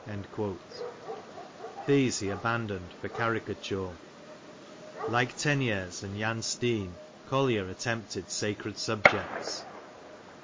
^' These he abandoned for caricature. Like Teniers and Jan Steen, Collier attempted sacred subjects.